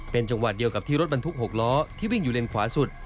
เป็นจังหวะเดียวกับที่รถบรรทุก๖ล้อที่วิ่งอยู่เลนขวาสุด